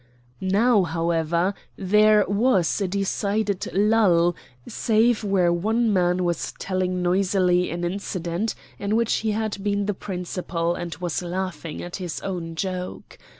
Now, however, there was a decided lull, save where one man was telling noisily an incident in which he had been the principal and was laughing at his own joke.